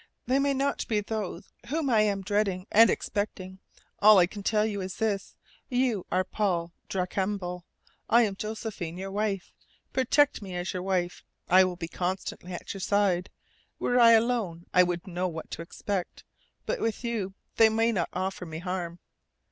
"They may not be those whom I am dreading and expecting. All I can tell you is this: You are Paul Darcambal. I am Josephine, your wife. Protect me as a wife. I will be constantly at your side. Were I alone I would know what to expect. But with you they may not offer me harm.